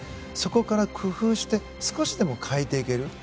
そこから工夫して少しでも変えていける。